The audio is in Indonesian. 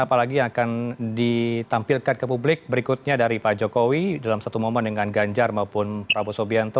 apalagi yang akan ditampilkan ke publik berikutnya dari pak jokowi dalam satu momen dengan ganjar maupun prabowo subianto